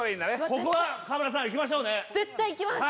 ここは川村さんいきましょうね絶対いきます